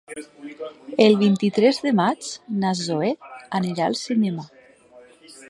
El vint-i-tres de maig na Zoè anirà al cinema.